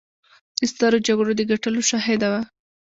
د سترو جګړو د ګټلو شاهده وه.